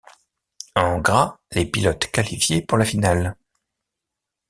En gras, les pilotes qualifiés pour la finale.